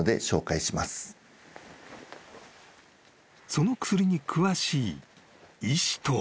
［その薬に詳しい医師とは］